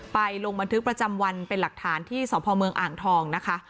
ลงบันทึกประจำวันเป็นหลักฐานที่สพเมืองอ่างทองนะคะ